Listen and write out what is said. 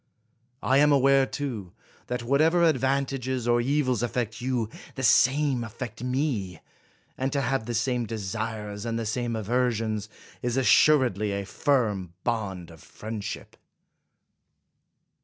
I am aware, too, that whatever advan tages or evils affect you, the same affect me ; and to have the same desires and the same aversions, is assuredly a firm bond of friendship.